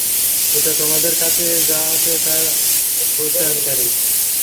এটা তোমাদের কাছে যা আছে তার প্রত্যয়নকারী।